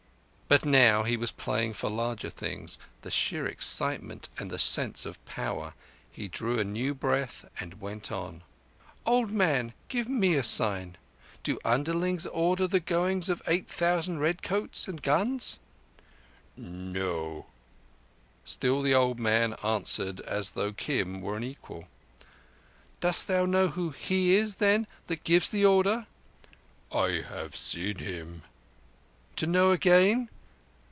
But now he was playing for larger things—the sheer excitement and the sense of power. He drew a new breath and went on. "Old man, give me a sign. Do underlings order the goings of eight thousand redcoats—with guns?" "No." Still the old man answered as though Kim were an equal. "Dost thou know who He is, then, that gives the order?" "I have seen Him." "To know again?"